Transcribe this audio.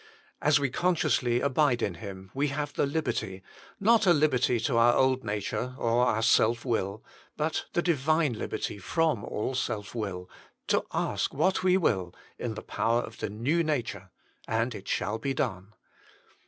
As we consciously abide in Him we have the liberty, not a liberty to our old nature or our self will, but the Divine liberty from all self will, to ask what we will, in the power of the new nature, and it shall be done.